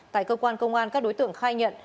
tại cơ quan công an các đối tượng khai nhận